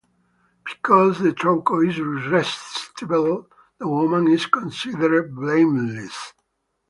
Because the Trauco is irresistible, the woman is considered blameless.